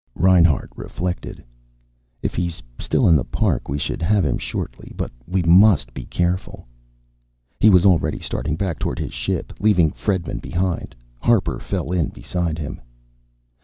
Reinhart reflected. "If he's still in the park we should have him shortly. But we must be careful." He was already starting back toward his ship, leaving Fredman behind. Harper fell in beside him.